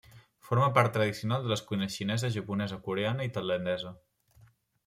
Forma part tradicional de les cuines xinesa, japonesa, coreana i tailandesa.